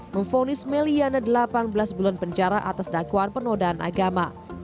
memfonis meliana delapan belas bulan penjara atas dakwaan penodaan agama